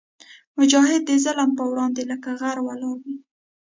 مجاهد د ظلم پر وړاندې لکه غر ولاړ وي.